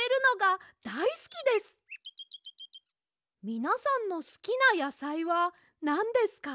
みなさんのすきなやさいはなんですか？